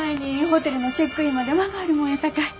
ホテルのチェックインまで間があるもんやさかい。